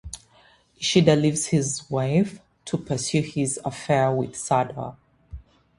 Ishida leaves his wife to pursue his affair with Sada.